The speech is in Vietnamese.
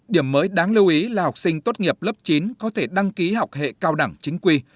điểm mới đáng lưu ý là học sinh tốt nghiệp lớp chín có thể đăng ký học hệ cao đẳng chính quy